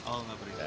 oh enggak perintah